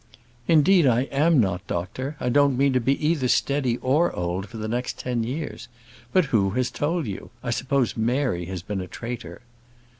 "Indeed, I am not, doctor; I don't mean to be either steady or old for the next ten years. But who has told you? I suppose Mary has been a traitor."